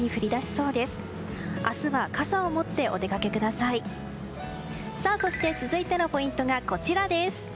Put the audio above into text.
そして続いてのポイントがこちらです。